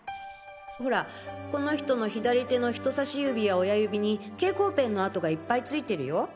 ほらこの人の左手の人差し指や親指に蛍光ペンの跡がいっぱいついてるよ。